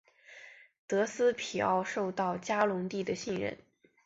德斯皮奥受到嘉隆帝的信任。